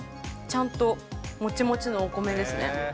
ちゃんともちもちのお米ですね。